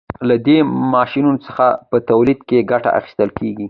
له دې ماشینونو څخه په تولید کې ګټه اخیستل کیږي.